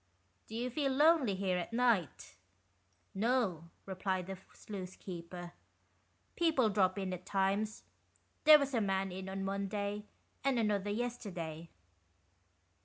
"Do you feel lonely here at night ?" "No," replied the sluice keeper, "people drop in at times. There was a man in on Monday, and another yesterday."